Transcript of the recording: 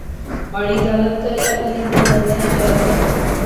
مہاڑی دالت کریا۔۔۔ انیں بہوں مرنیاں جئے آخیا